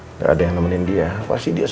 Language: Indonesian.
enggak ada yang nemenin dia pasti dia sedih sekali